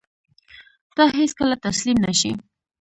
ته هېڅکله تسلیم نه شې.